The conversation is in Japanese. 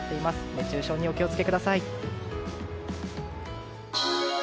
熱中症にお気を付けください。